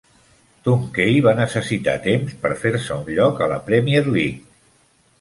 Tuncay va necessitar temps per fer-se un lloc a la Premier League.